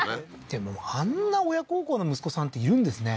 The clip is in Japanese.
でもあんな親孝行な息子さんっているんですね